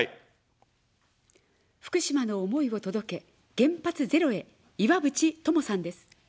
福島の思いを届け原発ゼロへ、いわぶち友さんです。